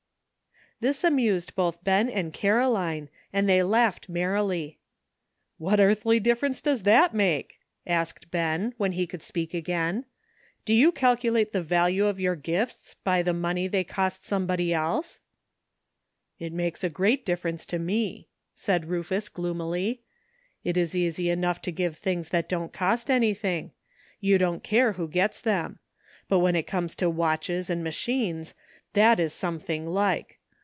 This amused both Ben and Caroline, and they laughed merrily. " What earthly difference does that make? " asked Ben, when he could speak again. "Do you calculate the value of your gifts by the money they cost somebody else ?" "It makes a great difference to me," said Rufus gloomily. "It is easy enough to give things that don't cost anything. You don't care who gets them. But when it comes to watches and machines, that is something like.